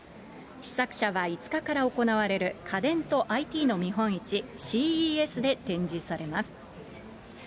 試作車は５日から行われる家電とＩＴの見本市、ＣＥＳで展示されます。